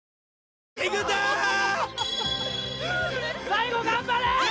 最後頑張れ！